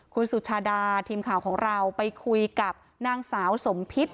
คุณสุชาดาทีมข่าวของเราไปคุยกับนางสาวสมพิษ